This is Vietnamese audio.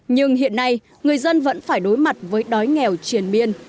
nhưng hiện nay người dân vẫn phải đối mặt với đói nghèo triển biên